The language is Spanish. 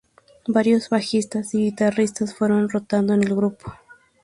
Varios bajistas y guitarristas fueron rotando en el grupo.